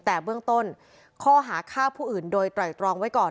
แต่เบื้องต้นข้อหาฆ่าผู้อื่นโดยไตรตรองไว้ก่อน